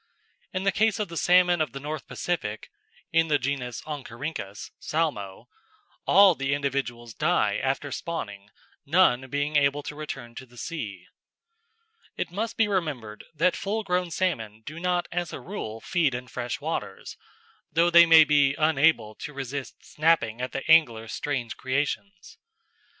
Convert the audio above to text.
In the case of the salmon of the North Pacific (in the genus Oncorhynchus, not Salmo) all the individuals die after spawning, none being able to return to the sea. It must be remembered that full grown salmon do not as a rule feed in fresh water, though they may be unable to resist snapping at the angler's strange creations.